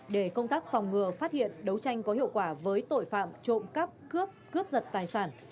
để công tác phòng ngừa phát hiện đấu tranh có hiệu quả với tội phạm trộm cắp cướp cướp giật tài sản